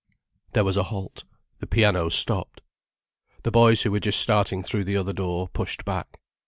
There was a halt, the piano stopped. The boys who were just starting through the other door, pushed back.